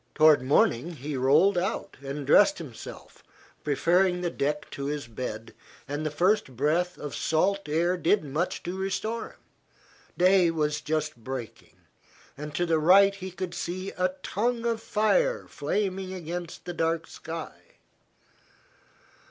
Toward morning he rolled out and dressed himself, preferring the deck to his bed, and the first breath of salt air did much to restore him. Day was just breaking, and to the right he could see a tongue of fire flaming against the dark sky.